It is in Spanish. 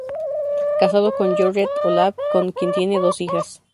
Casado con Georgette Olave, con quien tiene dos hijas.